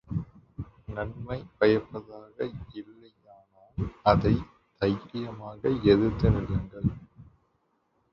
நன்மை பயப்பதாக இல்லையானால் அதைத் தைரியமாக எதிர்த்து நில்லுங்கள்.